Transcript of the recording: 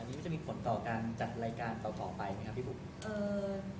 อันนี้จะมีผลต่อการจัดรายการต่อไปมั้ย